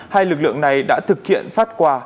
hai lực lượng này đã thực hiện phát quà